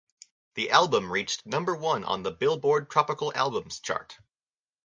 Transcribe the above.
The album reached number-one on the "Billboard" Tropical Albums chart.